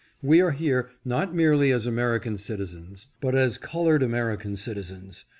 We are here, not merely as American citizens, but as colored American citizens.